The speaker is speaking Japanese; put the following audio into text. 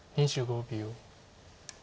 ２５秒。